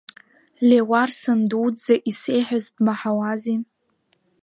Леуарсан дуӡӡа исеиҳәоз бмаҳауази…